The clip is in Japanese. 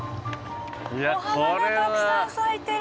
お花がたくさん咲いてる。